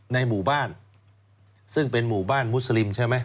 ในหมู่บ้านซึ่งเป็นหมู่บ้านมุสลิมใช่ไหม